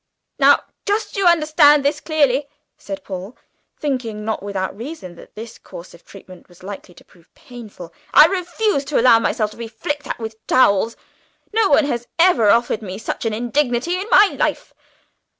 "Now just you understand this clearly," said Paul, thinking, not without reason, that this course of treatment was likely to prove painful; "I refuse to allow myself to be flicked at with towels. No one has ever offered me such an indignity in my life!